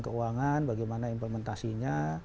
keuangan bagaimana implementasinya